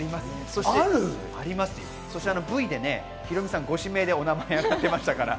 そしてＶでね、ヒロミさんご指名でお名前が上がってましたから。